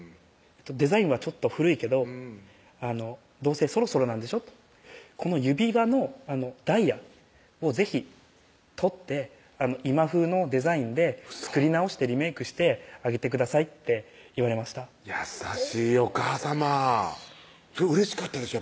「デザインはちょっと古いけどどうせそろそろなんでしょ？」と「この指輪のダイヤを是非取って今風のデザインで作り直してリメークしてあげてください」って言われました優しいお母さまうれしかったでしょ？